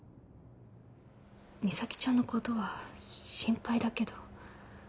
実咲ちゃんのことは心配だけど